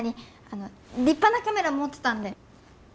あの立派なカメラ持ってたんで！